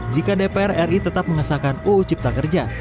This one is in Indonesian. jika dpr ri tetap mengesahkan uu cipta kerja